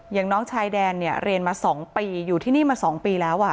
อย่างน้องชายแดนเนี่ยเรียนมา๒ปีอยู่ที่นี่มา๒ปีแล้ว